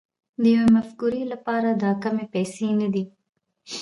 د يوې مفکورې لپاره دا کمې پيسې نه دي